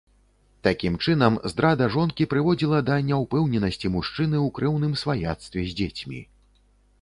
Такім чынам, здрада жонкі прыводзіла да няўпэўненасці мужчыны ў крэўным сваяцтве з дзецьмі.